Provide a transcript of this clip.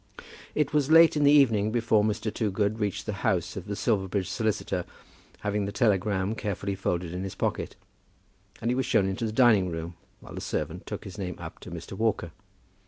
It was late in the evening before Mr. Toogood reached the house of the Silverbridge solicitor, having the telegram carefully folded in his pocket; and he was shown into the dining room while the servant took his name up to Mr. Walker.